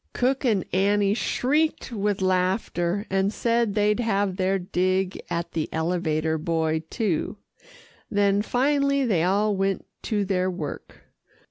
Cook and Annie shrieked with laughter, and said they'd have their dig at the elevator boy too, then finally they all went to their work.